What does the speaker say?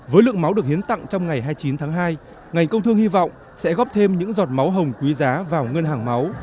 với lượng máu được hiến tặng trong ngày hai mươi chín tháng hai ngành công thương hy vọng sẽ góp thêm những giọt máu hồng quý giá vào ngân hàng máu